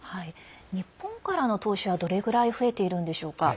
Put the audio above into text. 日本からの投資はどれぐらい増えているんでしょうか。